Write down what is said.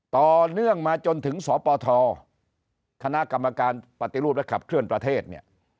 ต่อเนื่องมาจนถึงสปทคณะกรรมการปฏิรูปและขับเคลื่อนประเทศเนี่ย